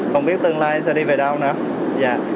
không biết tương lai sẽ đi về đâu nữa